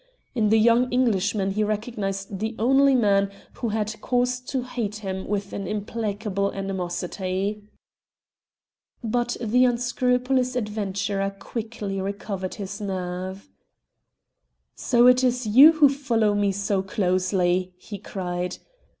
In the young Englishman he recognized the only man who had cause to hate him with an implacable animosity. But the unscrupulous adventurer quickly recovered his nerve. "So it is you who follow me so closely," he cried.